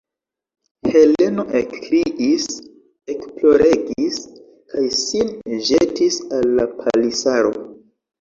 Heleno ekkriis, ekploregis kaj sin ĵetis al la palisaro.